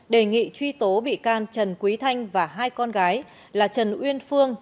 đề nghị truy tố bị can trần quý thanh và hai con gái là trần uyên phương